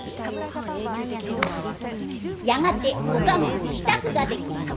やがてお駕籠の支度ができます。